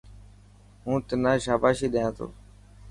هون تنا شاباشي ڏيا تو.